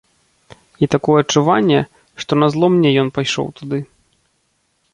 І такое адчуванне, што назло мне ён пайшоў туды.